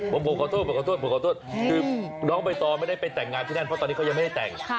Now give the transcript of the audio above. ผมขอโทษคือน้องใบตอไม่ได้ไปแต่งงานที่นั่นเพราะตอนนี้เขายังไม่ให้แต่ง